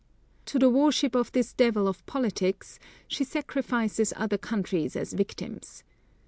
To the worship of this devil of politics she sacrifices other countries as victims.